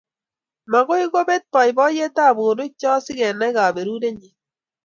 Maagoi kebet boiboiyetab borwekcho sigenai kaberurenyi